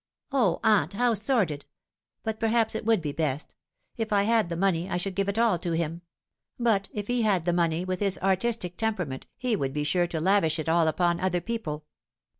" O, aunt, how sordid ! but perhaps it would be best. If I had the money, I should give it all to him : but if he had the money, with his artistic temperament he would be sure to lavish it all upon other people.